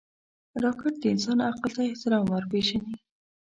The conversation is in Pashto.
راکټ د انسان عقل ته احترام ورپېژني